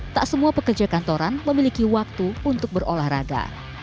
tak semua pekerja kantoran memiliki waktu untuk berolahraga